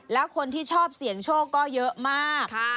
และคนที่ชอบเสียงโชชน์ก็เยอะมากค่ะ